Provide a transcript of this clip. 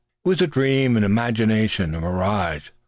It was a dream, an imagination, a mirage.